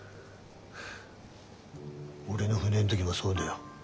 俺の船ん時もそうだよ。